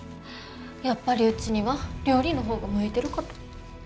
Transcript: やっぱりうちには料理の方が向いてるかと。